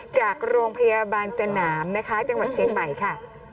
จากโรงพยาบาลสนามนะคะจังหวัดเชียงใหม่ค่ะ